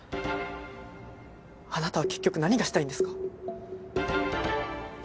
あなたは結局何がしたいんですか？